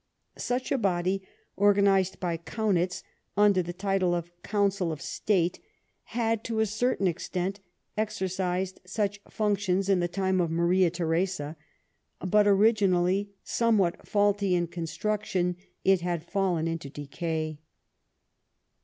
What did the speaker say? Such a body, organised by Kaunitz under the title of Council of State, had to a certain extent exercised such functions in the time of Maria Theresa, but, originally somewhat faulty in construction, it had fallen into decay.